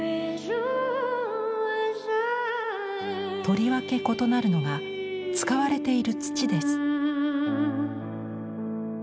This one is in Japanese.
とりわけ異なるのが使われている土です。